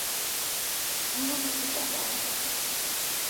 რა ლამაზი კაბაა